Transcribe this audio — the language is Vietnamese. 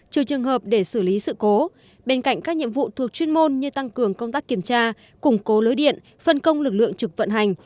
trừ trường hợp để xử lý sự cố bên cạnh các nhiệm vụ thuộc chuyên môn như tăng cường công tác kiểm tra củng cố lưới điện phân công lực lượng trực vận hành